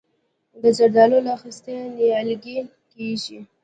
د زردالو له خستې نیالګی کیږي؟